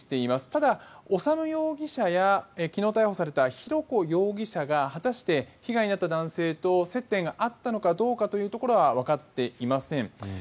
ただ、修容疑者や昨日逮捕された浩子容疑者が果たして被害に遭った男性と接点があったのかどうかというのはわかっていません。